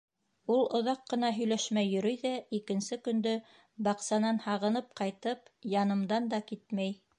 Ул оҙаҡ ҡына һөйләшмәй йөрөй ҙә икенсе көндө, баҡсанан һағынып ҡайтып, янымдан да китмәй.